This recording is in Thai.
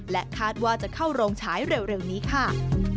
คาดว่าจะเข้าโรงฉายเร็วนี้ค่ะ